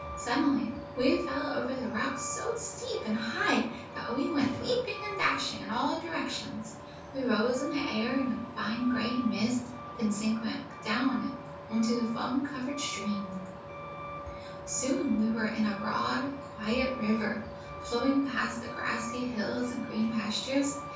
Suddenly we fell over the rocks so steep and high that we went leaping and dashing in all directions. We rose in the air in a fine gray mist, then sank back again into the foam covered stream. [Illustration: "THEN WE CAME TO A BIG MILL WHEEL."] "Soon we were in a broad, quiet river, flowing past the grassy hills and green pastures.